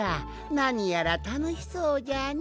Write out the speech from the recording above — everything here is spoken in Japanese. なにやらたのしそうじゃな。